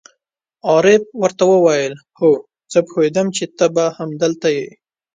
عارف ور ته وویل: هو، زه پوهېدم چې ته به همدلته یې.